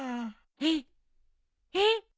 えっえっ！？